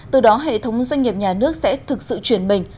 từ đó hệ thống doanh nghiệp nhà nước sẽ thực sự chuyển mình